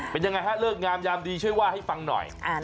เป็นยังไงฮะเลิกงามยามดีช่วยว่าให้ฟังหน่อย